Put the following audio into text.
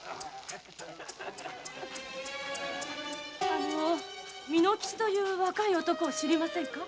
あの巳之吉という若い男を知りませんか？